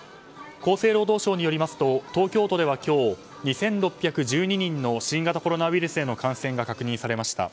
厚生労働省によりますと東京都では今日２６１２人の新型コロナウイルスへの感染が確認されました。